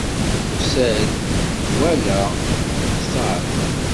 Tusa-d, twala, texṣer.